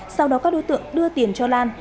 sau đó các đối tượng đưa tiền cho lan